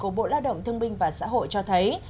của bộ lao động thương minh và xã hội cho thấy